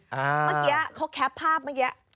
เมื่อกี้เขาแคปภาพเมื่อกี้